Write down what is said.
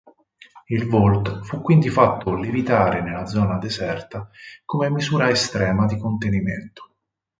Il Vault fu quindi fatto levitare nella zona deserta come misura estrema di contenimento.